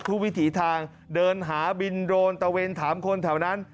วิถีทางเดินหาบินโดรนตะเวนถามคนแถวนั้น